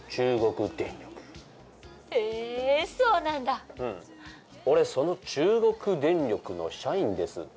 うん俺その中国電力の社員です